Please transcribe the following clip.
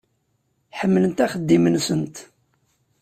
Ḥemmlent axeddim-nsent.